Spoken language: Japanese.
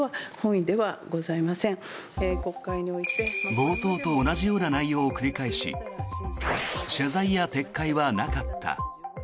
冒頭と同じような内容を繰り返し謝罪や撤回はなかった。